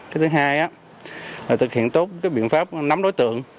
cái thứ hai là thực hiện tốt cái biện pháp nắm đối tượng